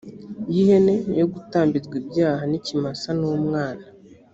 y ihene yo gutambirwa ibyaha n ikimasa n umwana